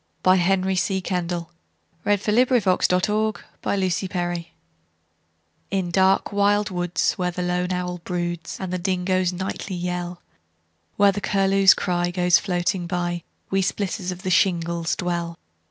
By Henry C. Kendall 27 . Song of the Shingle Splitters IN dark wild woods, where the lone owl broodsAnd the dingoes nightly yell—Where the curlew's cry goes floating by, We splitters of shingles dwell.